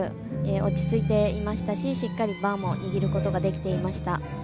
落ち着いていましたししっかり、バーも握ることができていました。